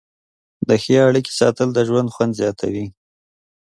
د ښې اړیکې ساتل د ژوند خوند زیاتوي.